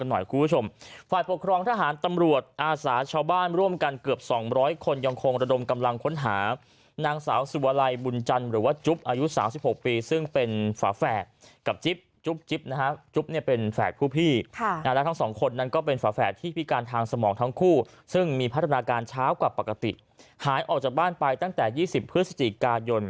กันหน่อยคุณผู้ชมฝ่าปกครองทหารตำรวจอาสาชาวบ้านร่วมกันเกือบ๒๐๐คนยังคงระดมกำลังค้นหานางสาวสุวรรายบุญจันหรือว่าจุ๊บอายุ๓๖ปีซึ่งเป็นฝ่าแฝดกับจิ๊บจุ๊บจิ๊บนะฮะจุ๊บเนี่ยเป็นแฝดผู้พี่ค่ะและทั้งสองคนนั้นก็เป็นฝ่าแฝดที่พิการทางสมองทั้งคู่ซึ่งมีพัฒนาการช้ากว่าปก